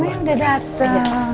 ya udah dateng